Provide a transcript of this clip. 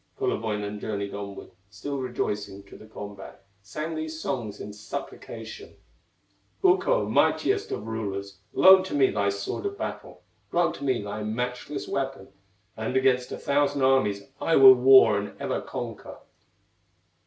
Kullerwoinen journeyed onward, Still rejoicing, to the combat, Sang these songs in supplication: "Ukko, mightiest of rulers, Loan to me thy sword of battle, Grant to me thy matchless weapon, And against a thousand armies I will war and ever conquer."